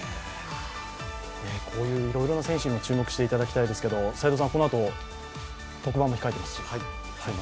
こういういろいろな選手に注目していただきたいですけど斎藤さん、このあと、特番も控えていますし。